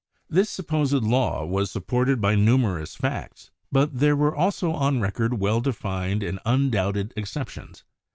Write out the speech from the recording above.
This supposed law was supported by numerous facts, but there were also on record well denned and undoubted exceptions.